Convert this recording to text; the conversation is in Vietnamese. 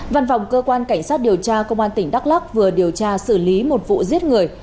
văn phòng cơ quan cảnh sát điều tra công an tỉnh đắk lắc vừa điều tra xử lý một vụ giết người